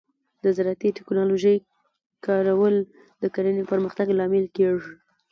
د زراعتي ټیکنالوجۍ کارول د کرنې پرمختګ لامل کیږي.